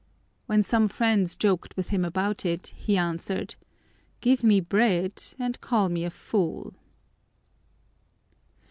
When some friends joked with him about it, he answered, "Give me bread and call me a fool."